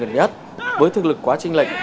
gần nhất với thực lực quá trinh lệch